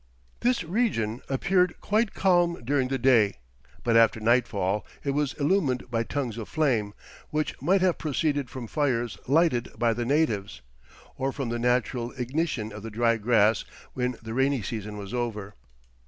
This region appeared quite calm during the day, but after nightfall it was illumined by tongues of flame, which might have proceeded from fires lighted by the natives, or from the natural ignition of the dry grass when the rainy season was over.